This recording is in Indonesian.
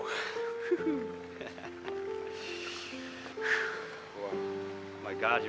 benar pak radityo